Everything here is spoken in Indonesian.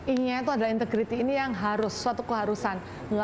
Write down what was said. ini adalah integriti yang harus suatu keharusan